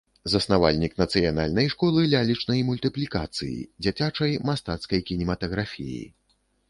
Заснавальнік нацыянальнай школы лялечнай мультыплікацыі, дзіцячай мастацкай кінематаграфіі.